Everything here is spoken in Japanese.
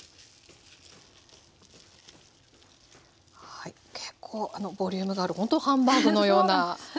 はい結構ボリュームがあるほんとハンバーグのような。